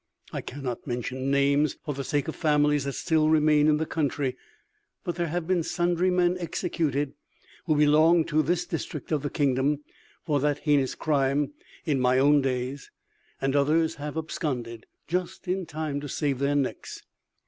I cannot mention names, for the sake of families that still remain in the country; but there have been sundry men executed, who belonged to this district of the kingdom, for that heinous crime, in my own days; and others have absconded, just in time to save their necks.